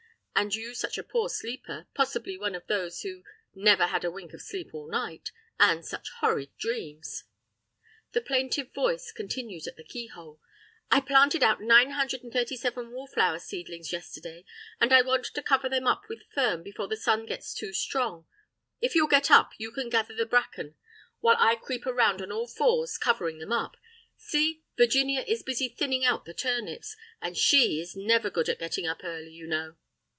And you such a poor sleeper, possibly one of those who "never had a wink of sleep all night, and such horrid dreams." The plaintive voice continues at the keyhole: "I planted out nine hundred and thirty seven wallflower seedlings yesterday, and I want to cover them up with fern before the sun gets too strong. If you'll get up you can gather the bracken, while I creep around on all fours covering them up. See? Virginia is busy thinning out the turnips. And SHE is never any good at getting up early, you know!"